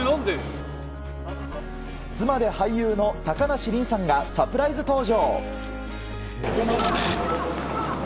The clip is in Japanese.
妻で俳優の高梨臨さんがサプライズ登場。